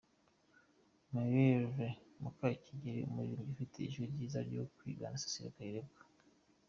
Mireille Mukakigeli umuririmbyi ufite ijwi ryiza ryo kwigana Cecile Kayirebwa.